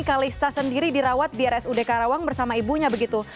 kalista sendiri dirawat di rsud karawang bersama ibunya begitu